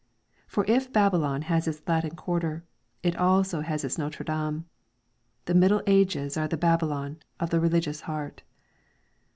For if Babylon has its Quartier Latin, it has also its Notre Dame. The Middle Ages are the Babylon of the religious heart.